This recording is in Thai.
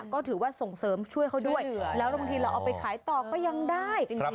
ก็ถือว่าส่งเสริมช่วยเขาด้วยแล้วบางทีเราเอาไปขายต่อก็ยังได้จริง